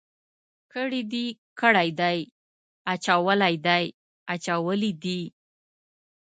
کړي دي، کړی دی، اچولی دی، اچولي دي.